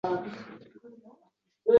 Ahvolimni ko‘rib qiynalasan.